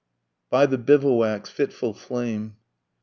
BY THE BIVOUAC'S FITFUL FLAME.